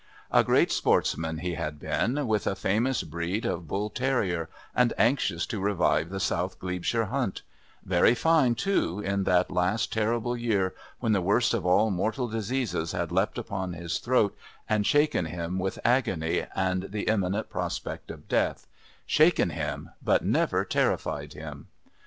A great sportsman he had been, with a famous breed of bull terrier, and anxious to revive the South Glebeshire Hunt; very fine, too, in that last terrible year when the worst of all mortal diseases had leapt upon his throat and shaken him with agony and the imminent prospect of death shaken him but never terrified him.